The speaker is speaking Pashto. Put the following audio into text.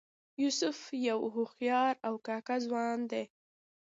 یوسف یو هوښیار او کاکه ځوان دی.